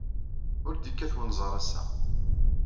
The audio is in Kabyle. Ur d-yekkat wenẓar ass-a.